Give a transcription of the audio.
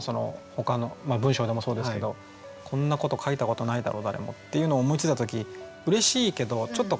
ほかの文章でもそうですけどこんなこと書いたことないだろう誰もっていうのを思いついた時通じるかなって。